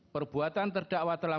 perbuatan terdakwa telah